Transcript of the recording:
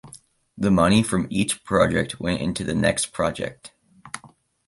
The money from each project went into the next project.